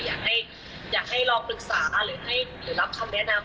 อยากให้ลองปรึกษาหรือให้หรือรับคำแนะนำ